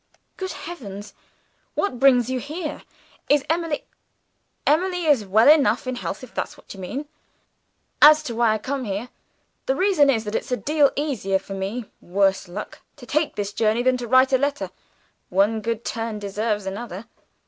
"Good heavens, what brings you here? Is Emily ?" "Emily is well enough in health if that's what you mean? As to why I come here, the reason is that it's a deal easier for me (worse luck!) to take this journey than to write a letter. One good turn deserves another.